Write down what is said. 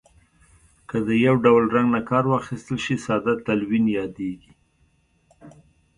که د یو ډول رنګ نه کار واخیستل شي ساده تلوین یادیږي.